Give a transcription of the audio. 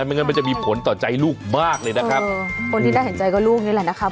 ไม่งั้นมันจะมีผลต่อใจลูกมากเลยนะครับคนที่น่าเห็นใจก็ลูกนี่แหละนะคะ